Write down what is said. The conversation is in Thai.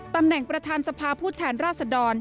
ตำแหน่งประธานสภาผู้แทนราษดร